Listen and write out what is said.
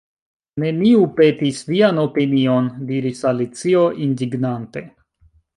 "Neniu petis vian opinion," diris Alicio indignante.